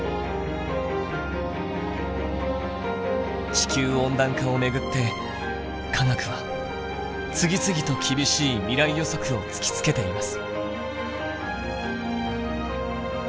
地球温暖化を巡って科学は次々と厳しい未来予測を突きつけています。